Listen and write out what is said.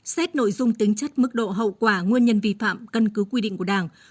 xét nội dung tính chất mức độ hậu quả nguyên nhân vi phạm cân cứ quy định của đảng